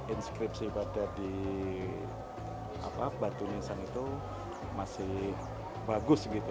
inskripsi batu nisan itu masih bagus gitu